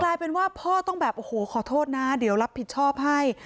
กลายเป็นว่าพ่อต้องแบบโอ้โหขอโทษนะเดี๋ยวรับผิดชอบให้